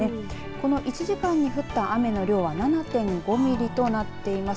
この１時間に降った雨の量は７．５ミリとなっています。